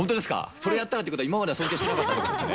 それやったらってことは、今までは尊敬してなかったってことだね？